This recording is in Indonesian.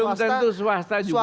belum tentu swasta juga